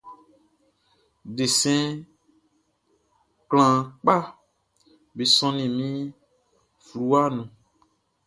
Desɛn klanhan kpaʼm be sɔnnin min fluwaʼn nun.